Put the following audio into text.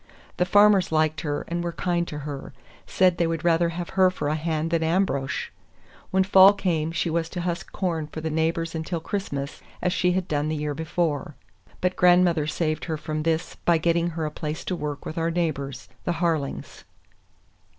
The farmers liked her and were kind to her; said they would rather have her for a hand than Ambrosch. When fall came she was to husk corn for the neighbors until Christmas, as she had done the year before; but grandmother saved her from this by getting her a place to work with our neighbors, the Harlings.